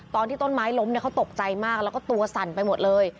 ตอนที่ต้นไม้ล้มเนี่ยเขาตกใจมากแล้วก็ตัวสั่นไปหมดเลย